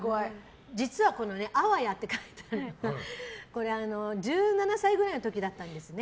実は、あわやって書いてあるのは１７歳くらいの時だったんですね。